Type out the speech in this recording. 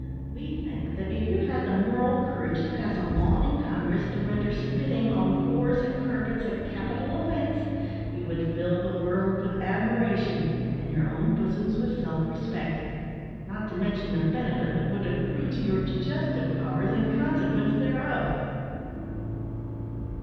We think that if you had the moral courage to pass a law in Congress to render spitting on floors and carpets a capital offence, you would fill the world with admiration and your own bosoms with self respect, not to mention the benefit that would accrue to your digestive powers in consequence thereof!